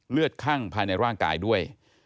เลือดคั่งภายในว่างกายด้วย